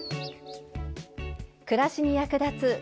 暮らしに役立つ